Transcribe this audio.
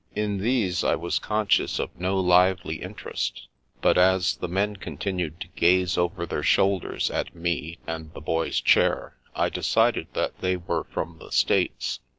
In these I was conscious of no lively interest ; but as the men continued to gaze over their shoulders at me, and the Boy's chair, I decided that they were from the States.